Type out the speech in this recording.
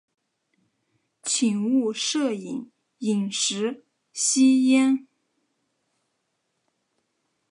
请勿摄影、饮食、吸烟